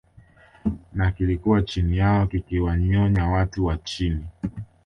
na kilikuwa chini yao kikiwanyonya watu wa chini